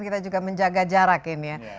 kita juga menjaga jarak ini ya